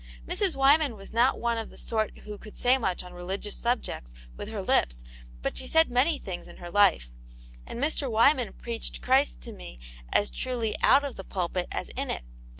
Mrs. Wyman was not one of the sort who could say much on religious subjects with her lips, but sh^ .said many things in her life ; and Mr. Wyman preached Christ to me as truly out of the pulpit as in it.